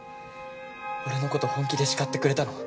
俺の事本気で叱ってくれたの。